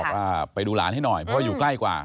ว่าไปดูหลานให้หน่อยเพราะว่าอยู่ใกล้กว่า